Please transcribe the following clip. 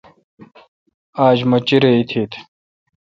آج مہ چیرہ ایتیتھ ۔